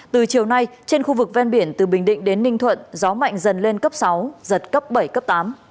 từ chiều nay trên khu vực ven biển từ bình định đến ninh thuận gió mạnh dần lên cấp sáu giật cấp bảy cấp tám